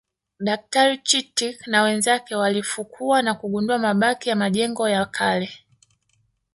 Daktari Chittick na wenzake walifukua na kugundua mabaki ya majengo ya kale